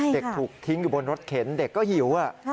เด็กถูกทิ้งอยู่บนรถเข็นเด็กก็หิว